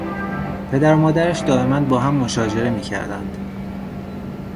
پدر و مادرش دایما با هم مشاجره می کردند.